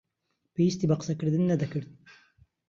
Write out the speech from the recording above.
پێویستی بە قسەکردن نەدەکرد.